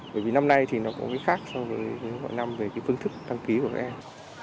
bởi vì năm nay thì nó cũng khác so với những năm về phương thức tăng ký của các em